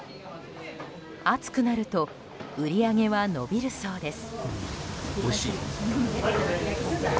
暑くなると売り上げは伸びるそうです。